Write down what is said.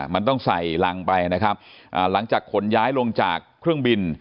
มันต้องใส่รังไปนะครับหลังจากขนย้ายลงจากเครื่องบิน